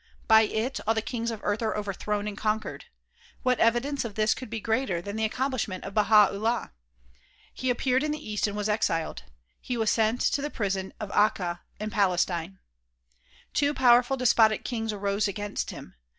By it all the kings of earth are overthrown and conquered. What evidence of this could be greater than the accomplishment of Baha 'Ullah ? He appeared in the east and was exiled. He was sent to the prison of Akka in Palestine. Two powerful despotic kings arose against him.